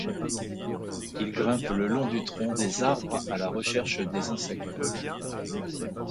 Il grimpe le long du tronc des arbres à la recherche des insectes.